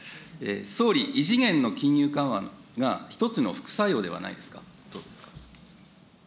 総理、異次元の金融緩和が一つの副作用ではないですか、どうですか。